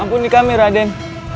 ampuni kami raden